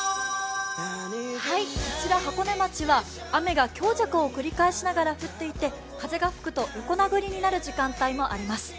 こちら箱根町は、雨が強弱を繰り返しながら降っていて風が吹くと横殴りになる時間帯もあります。